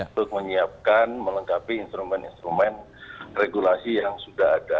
untuk menyiapkan melengkapi instrumen instrumen regulasi yang sudah ada